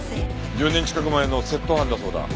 １０年近く前の窃盗犯だそうだ。